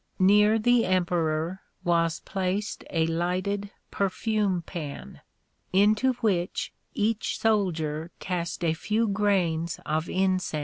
Near the emperor was placed a lighted perfume pan, into which each soldier cast a few grains of incense.